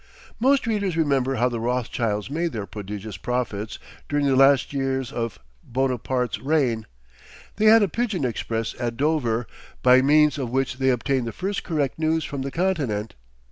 Most readers remember how the Rothschilds made their prodigious profits during the last years of Bonaparte's reign. They had a pigeon express at Dover, by means of which they obtained the first correct news from the continent.